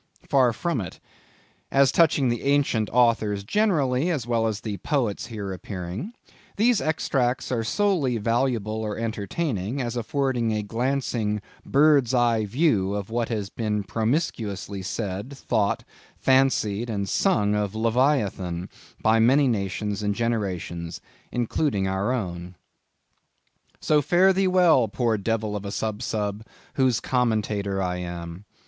Far from it. As touching the ancient authors generally, as well as the poets here appearing, these extracts are solely valuable or entertaining, as affording a glancing bird's eye view of what has been promiscuously said, thought, fancied, and sung of Leviathan, by many nations and generations, including our own. So fare thee well, poor devil of a Sub Sub, whose commentator I am.